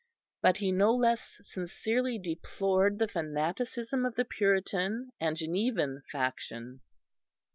But he no less sincerely deplored the fanaticism of the Puritan and Genevan faction.